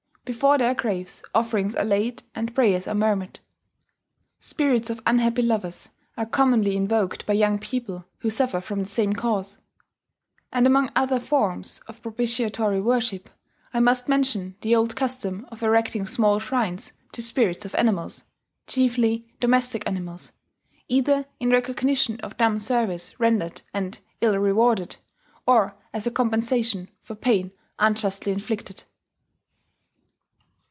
Before their graves offerings are laid and prayers are murmured. Spirits of unhappy lovers are commonly invoked by young people who suffer from the same cause .... And, among other forms of propitiatory worship I must mention the old custom of erecting small shrines to spirits of animals, chiefly domestic animals, either in recognition of dumb service rendered and ill rewarded, or as a compensation for pain unjustly inflicted.